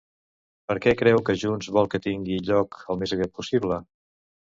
Per què creu que Junts vol que tingui lloc al més aviat possible?